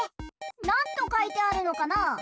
なんとかいてあるのかな？